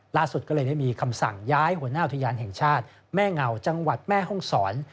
ล่าสุดก็เลยได้มีคำสั่งย้ายหัวหน้าอุทยานแห่งชาติแม่เงาจังหวัดแม่ห้องศร